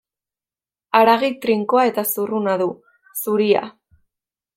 Haragi trinko eta zurruna du, zuria.